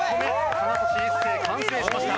金指一世完成しました。